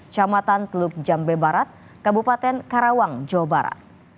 camatan teluk jambe barat kabupaten karawang jawa barat